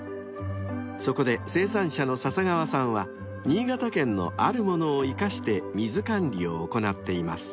［そこで生産者の笹川さんは新潟県のあるものを生かして水管理を行っています］